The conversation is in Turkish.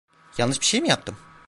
Yanlış bir şey mi yaptım?